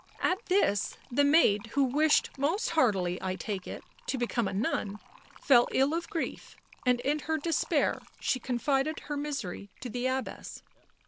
At this the maid, who wished most heartily, I take it, to become a nun, fell ill of grief, and in her despair she confided her misery to the Abbess.